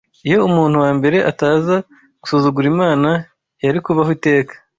Iyo umuntu wa mbere ataza gusuzugura Imana, yari kubaho iteka